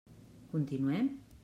Continuem?